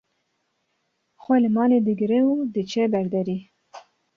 xwe li malê digire û diçe ber derî